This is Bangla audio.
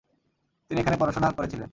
তিনি এখানে পড়াশোনা করেছিলেন।